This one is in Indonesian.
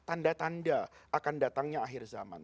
tanda tanda akan datangnya akhir zaman